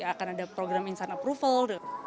akan ada program insan approval